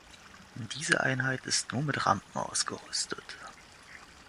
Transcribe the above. Diese Einheit ist nur mit Rampen ausgerüstet.